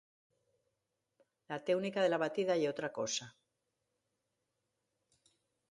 La téunica de la batida ye otra cosa.